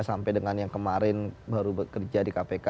sampai dengan yang kemarin baru bekerja di kpk